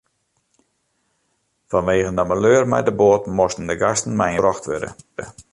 Fanwegen de maleur mei de boat moasten de gasten mei in buske brocht wurde.